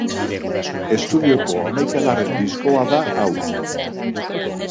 Estudioko hamaikagarren diskoa da hau.